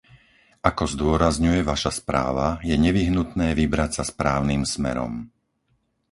Ako zdôrazňuje vaša správa, je nevyhnutné vybrať sa správnym smerom.